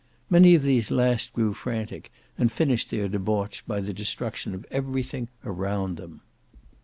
Many of these last grew frantic, and finished their debauch by the destruction of everything around them.